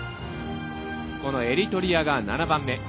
このエリトリアが７番目。